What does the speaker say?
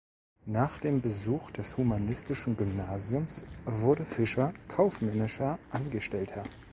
Nach dem Besuch des humanistischen Gymnasiums wurde Fischer kaufmännischer Angestellter.